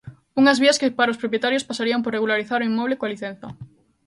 Unhas vías que para os propietarios pasarían por regularizar o inmoble coa licenza.